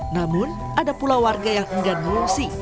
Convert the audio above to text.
namun ada pula warga yang enggan mengungsi